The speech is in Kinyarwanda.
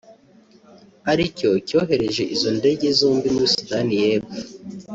ari cyo cyohereje izo ndege zombi muri Sudani y’Epfo